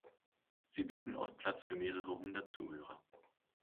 Sie bieten oft Platz für mehrere hundert Zuhörer.